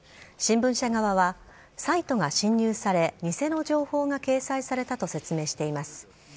新聞社側は、サイトが侵入され、偽の情報が掲載されたと説明しています。